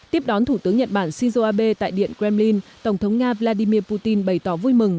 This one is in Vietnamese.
tiếp đón thủ tướng nhật bản shinzo abe tại điện kremlin tổng thống nga vladimir putin bày tỏ vui mừng